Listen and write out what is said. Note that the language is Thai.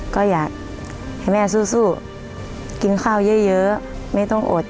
ก็อยากให้แม่สู้กินข้าวเยอะไม่ต้องอด